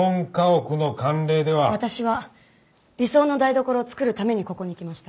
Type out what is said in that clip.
私は理想の台所を作るためにここに来ました。